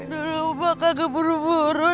dulu mah kagak buru buru